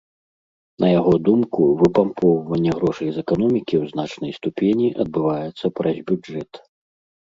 На яго думку, выпампоўванне грошай з эканомікі ў значнай ступені адбываецца праз бюджэт.